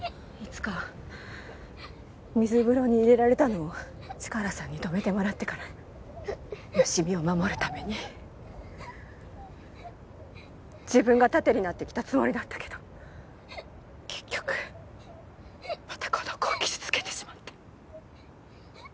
いつか水風呂に入れられたのをチカラさんに止めてもらってから好美を守るために自分が盾になってきたつもりだったけど結局またこの子を傷つけてしまって。